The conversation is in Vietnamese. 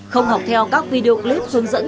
không học theo các video clip hướng dẫn